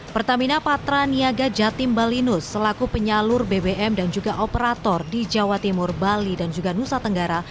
pertamina patra niaga jatim balinus selaku penyalur bbm dan juga operator di jawa timur bali dan juga nusa tenggara